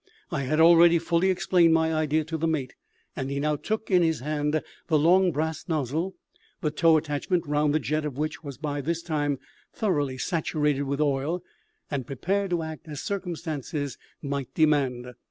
I had already fully explained my idea to the mate, and he now took in his hand the long brass nozzle the tow attachment round the jet of which was by this time thoroughly saturated with oil and prepared to act as circumstances might demand.